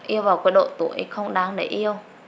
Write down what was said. yêu vào cái độ tuổi không đáng để yêu